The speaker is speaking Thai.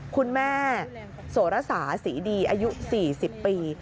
คุณแม่โสระสาศรีดีอายุ๔๐ปี